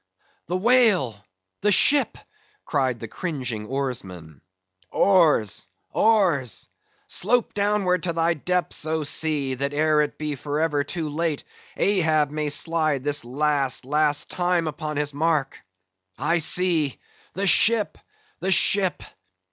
"The whale! The ship!" cried the cringing oarsmen. "Oars! oars! Slope downwards to thy depths, O sea, that ere it be for ever too late, Ahab may slide this last, last time upon his mark! I see: the ship! the ship!